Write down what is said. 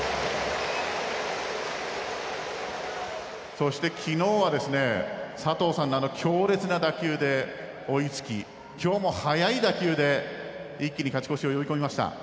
そして、昨日は佐藤さんの強烈な打球で追いつき今日も速い打球で一気に勝ち越しを呼び込みました。